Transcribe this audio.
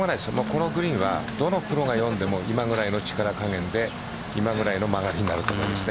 このグリーンはどのプロが読んでも今ぐらいの力加減で今ぐらいの曲がりになるんです。